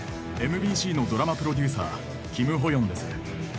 ＭＢＣのドラマプロデューサーキム・ホヨンです。